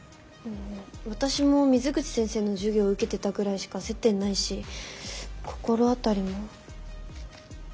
私も水口先生の授業受けてたぐらいしか接点ないし心当たりも。